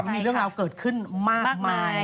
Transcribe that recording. มีเรื่องราวเกิดขึ้นมากมาย